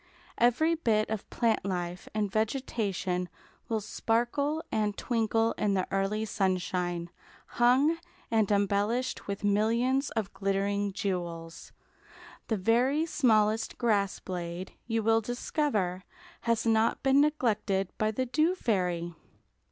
Every bit of plant life and vegetation will sparkle and twinkle in the early sunshine, hung and embellished with millions of glittering jewels. The very smallest grass blade, you will discover, has not been neglected by the Dew Fairy.